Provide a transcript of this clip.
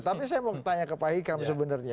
tapi saya mau tanya ke pak hikam sebenarnya